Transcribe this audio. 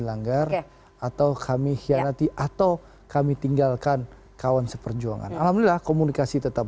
dilanggar atau kami hianati atau kami tinggalkan kawan seperjuangan alhamdulillah komunikasi tetap